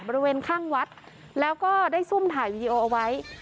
บริเวณข้างวัดแล้วก็ได้ซุ่มถ่ายวีดีโอเอาไว้